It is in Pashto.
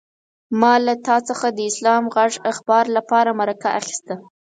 ما له تا څخه د اسلام غږ اخبار لپاره مرکه اخيسته.